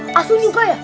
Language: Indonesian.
uh asuhnya enggak ya